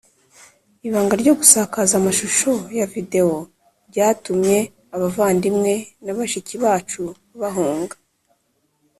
ibanga ryo gusakaza amashusho ya videwo ryatumye abavandimwe na bashiki bacu bahunga